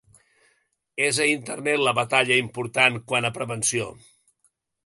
És a internet, la batalla important quant a prevenció?